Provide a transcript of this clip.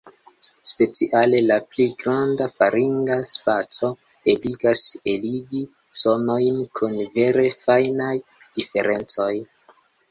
Speciale la pli granda faringa spaco ebligas eligi sonojn kun vere fajnaj diferencoj.